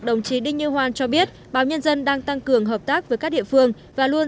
đồng chí đinh như hoan cho biết báo nhân dân đang tăng cường hợp tác với các địa phương và luôn